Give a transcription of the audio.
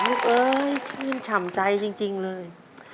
โอ้ยลูกเอ้ยฉันยิ่งฉ่ำใจจริงเลย